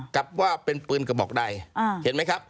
กับว่าเป็นปืนกระบอกใดเห็นไหมครับ